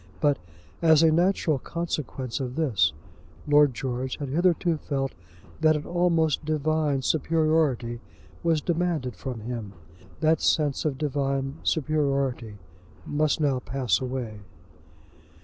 But, as a natural consequence of this, Lord George had hitherto felt that an almost divine superiority was demanded from him. That sense of divine superiority must now pass away.